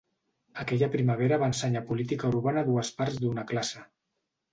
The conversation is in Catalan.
Aquella primavera va ensenyar política urbana a dues parts d'una classe.